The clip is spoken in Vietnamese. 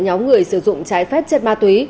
nhóm người sử dụng trái phép chất ma túy